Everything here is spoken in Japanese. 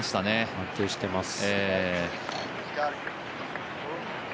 安定してます。